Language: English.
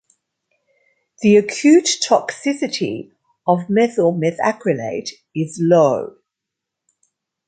The acute toxicity of methyl methacrylate is low.